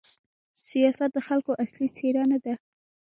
سیاست د خلکو اصلي څېره نه ده.